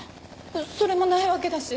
それもないわけだし。